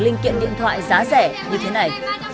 linh kiện điện thoại giá rẻ như thế này